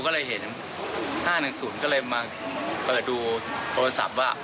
๕๑๐ก็เลยมาเปิดดูโทรศัพท์ว่า